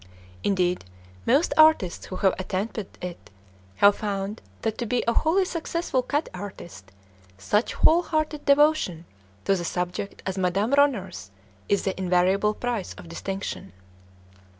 Indeed, most artists who have attempted it, have found that to be a wholly successful cat artist such whole hearted devotion to the subject as Madame Ronner's is the invariable price of distinction.